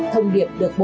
thông điệp được báo